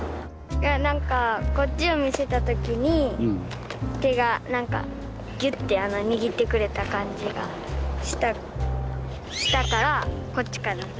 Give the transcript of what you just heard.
何かこっちを見せた時に手が何かギュッて握ってくれた感じがしたしたからこっちかな。